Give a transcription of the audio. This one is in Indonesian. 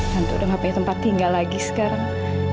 tante udah nggak punya tempat tinggal lagi sekarang